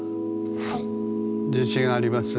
自信あります？